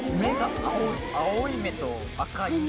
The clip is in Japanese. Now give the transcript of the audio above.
青い目と赤い体。